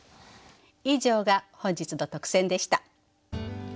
以上が本日の特選でした。